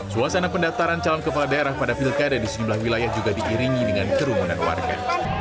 suasana pendaftaran calon kepala daerah pada pilkada di sejumlah wilayah juga diiringi dengan kerumunan warga